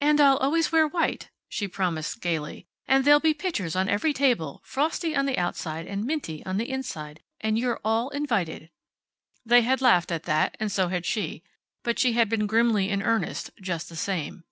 "And I'll always wear white," she promised, gayly, "and there'll be pitchers on every table, frosty on the outside, and minty on the inside, and you're all invited." They had laughed at that, and so had she, but she had been grimly in earnest just the same.